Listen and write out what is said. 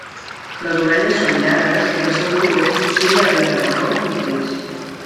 Les orelles són llargues i el seu color oscil·la entre marró i gris.